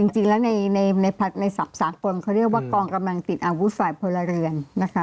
จริงแล้วในศัพท์สากลเขาเรียกว่ากองกำลังติดอาวุธฝ่ายพลเรือนนะคะ